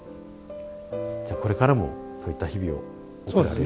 じゃあこれからもそういった日々を送られる。